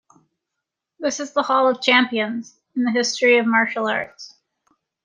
This is the hall of champions in the history of martial arts.